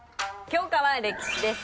教科は歴史です。